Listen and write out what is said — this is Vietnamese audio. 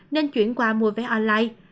nên chuyển qua mua vé online